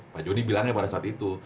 pak joni bilangnya pada saat itu